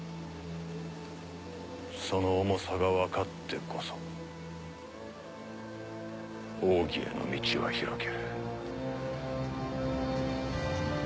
その重さが分かってこそ奥義への道は開ける。